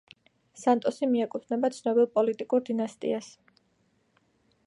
სანტოსი მიეკუთვნება ცნობილ პოლიტიკურ დინასტიას.